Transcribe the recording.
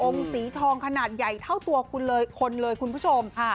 องค์สีทองขนาดใหญ่เท่าตัวคนเลยคุณผู้ชมค่ะ